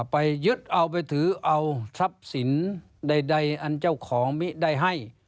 ไปยึดเอาไปถือเอาทรัพย์สินใดอันเจ้าของมิได้ให้